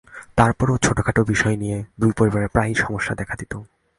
তার পরও ছোটখাটো বিষয় নিয়ে দুই পরিবারে প্রায়ই সমস্যা দেখা দিত।